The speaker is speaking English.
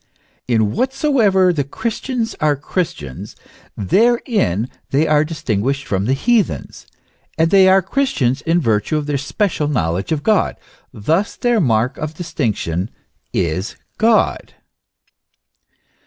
In whatsoever the Christians are Christians, therein they are distinguished from the heathens ;* and they are Christians in virtue of their special knowledge of God ; thus their mark of distinction is God.